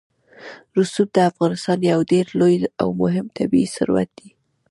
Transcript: رسوب د افغانستان یو ډېر لوی او مهم طبعي ثروت دی.